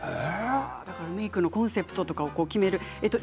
メークのコンセプトを決めているんですね。